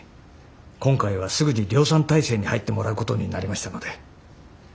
今回はすぐに量産態勢に入ってもらうことになりましたので。